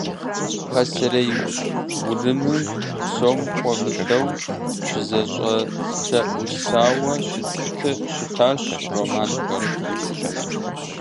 Пасэрей Урымым псом хуэмыдэу щызэщӏэлъэӏэсауэ щытащ романхэр.